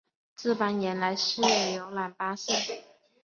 这班原来是游览巴士